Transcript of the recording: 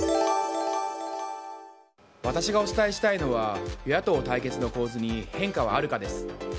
私がお伝えしたいのは与野党対決の構図に変化はあるかです。